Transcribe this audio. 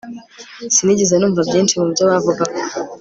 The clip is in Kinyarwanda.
sinigeze numva byinshi mubyo bavugaga